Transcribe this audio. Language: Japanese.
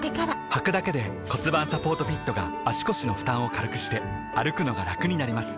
はくだけで骨盤サポートフィットが腰の負担を軽くして歩くのがラクになります